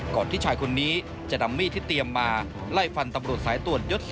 ที่ชายคนนี้จะนำมีดที่เตรียมมาไล่ฟันตำรวจสายตรวจยศ๔